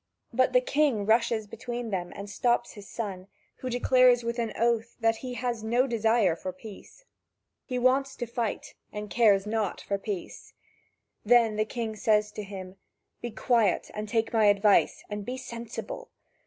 But the king rushes between them and stops his son, who declares with an oath that he has no desire for peace. He wants to fight, and cares not for peace. Then the king says to him: "Be quiet, and take my advice, and be sensible.